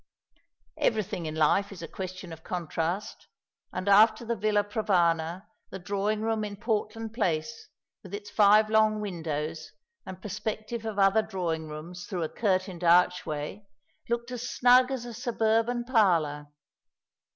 Everything in life is a question of contrast, and after the Villa Provana the drawing room in Portland Place, with its five long windows and perspective of other drawing rooms through a curtained archway, looked as snug as a suburban parlour.